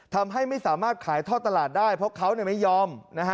ทำให้ไม่สามารถขายท่อตลาดได้เพราะเขาไม่ยอม